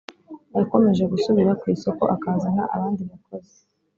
Yakomeje gusubira ku isoko akazana abandi bakozi